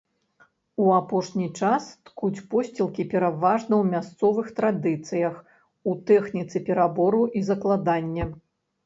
У апошні час ткуць посцілкі пераважна ў мясцовых традыцыях у тэхніцы перабору і закладання.